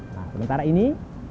nah sementara ini